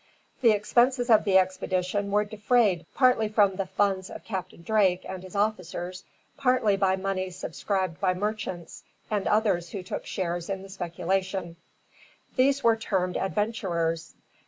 The expenses of the expedition were defrayed partly from the funds of Captain Drake and his officers, partly by moneys subscribed by merchants and others who took shares in the speculation. These were termed adventurers.